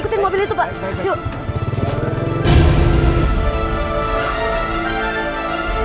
tidak ada apa apa